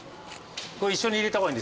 一緒に入れた方がいいんですか？